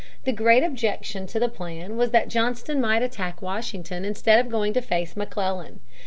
The great objection to the plan was that Johnston might attack Washington instead of going to face McClellan.